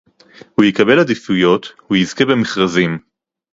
הוא יקבל עדיפויות, הוא יזכה במכרזים